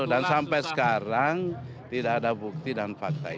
dan sampai sekarang tidak ada bukti dan fakta itu